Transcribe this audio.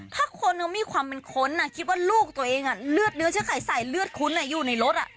ถ้าคนยังมีความเป็นคนคิดว่าลูกตัวเองเลือดเนื้อเชื้อไขใส่เลือดคุ้นอยู่ในรถ